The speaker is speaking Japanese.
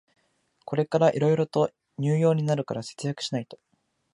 これからいろいろと入用になるから節約しないと